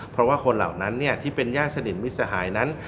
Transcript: เพราะว่าคนเหล่านั้นที่เป็นญาติสนิทมิตรสหายนั้น